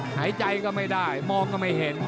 หายใจก็ไม่ได้มองก็ไม่เห็น